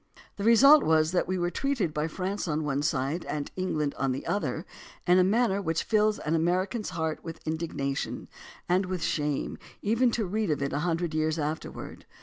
The result was that we were treated by France on one side and by England on the other in a manner which fills an American's heart with indignation and with shame even to read of it a hun dred years afterward.